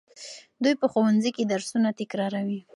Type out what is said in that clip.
دوی په ښوونځي کې درسونه تکراروي.